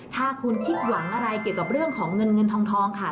ถ้าคุณคิดหวังอะไรเกี่ยวกับเรื่องของเงินเงินทองค่ะ